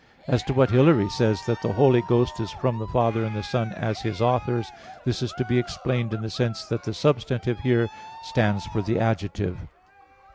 As to what Hilary says, that "the Holy Ghost is from the Father and the Son as His authors," this is to be explained in the sense that the substantive here stands for the adjective.